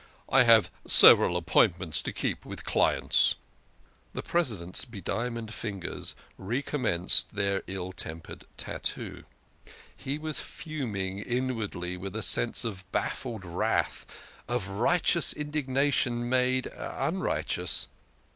I have several appointments to keep with clients." The President's bediamonded fingers recommenced their ill tempered tattoo; he was fuming inwardly with a sense of baffled wrath, of righteous indignation made unrighteous.